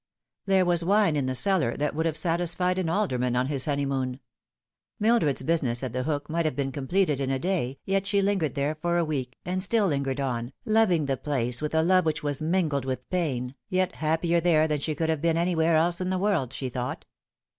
There was wine in the cellar that would have satisfied an alderman on his honeymoon. Mildred's business at The Hook might have been completed in a day, yet she lingered there for a week, and still lingered on, loving the place with a love which was mingled with pain, yet happier there than she could have been anywhere else in the world, she thought.